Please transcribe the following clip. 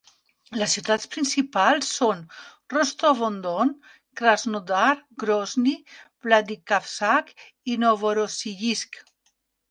Les ciutats principals són Rostov-on-Don, Krasnodar, Grozny, Vladikavkaz i Novorossiysk.